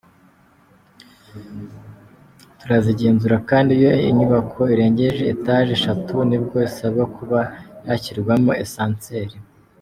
Turazigenzura kandi iyo inyubako irengeje etaje eshatu nibwo isabwa kuba yashyirwamo asanseri.”